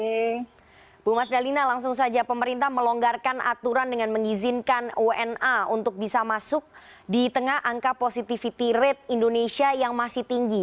ibu mas dalina langsung saja pemerintah melonggarkan aturan dengan mengizinkan wna untuk bisa masuk di tengah angka positivity rate indonesia yang masih tinggi